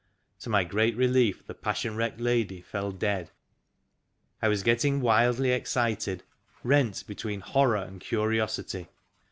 To my great relief the passion wrecked lady fell dead. I was getting wildly excited, rent between horror and curiosity.